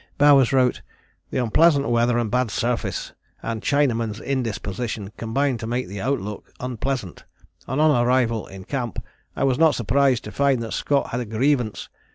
Bowers wrote: "The unpleasant weather and bad surface, and Chinaman's indisposition, combined to make the outlook unpleasant, and on arrival [in camp] I was not surprised to find that Scott had a grievance.